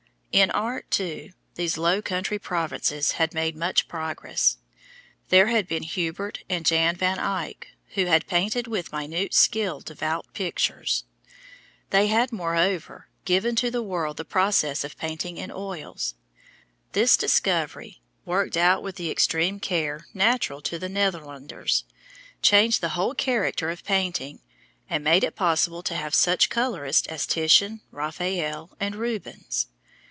In art, too, these low country provinces had made much progress. There had been Hubert and Jan Van Eyck who had painted with minute skill devout pictures. They had, moreover, given to the world the process of painting in oils. This discovery, worked out with the extreme care natural to the Netherlanders, changed the whole character of painting, and made it possible to have such colorists as Titian, Raphael and Rubens.